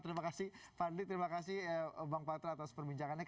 terima kasih fadli terima kasih bang patra atas perbincangannya